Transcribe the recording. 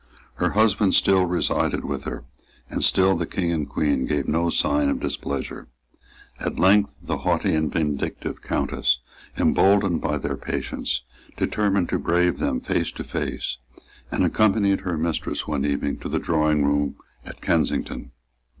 Her husband still resided with her; and still the King and Queen gave no sign of displeasure. At length the haughty and vindictive Countess, emboldened by their patience, determined to brave them face to face, and accompanied her mistress one evening to the drawingroom at Kensington.